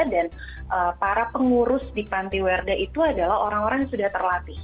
dan para pengurus di tante warda itu adalah orang orang yang sudah terlatih